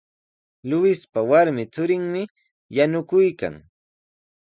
Luispa warmi churinmi yanukuykan.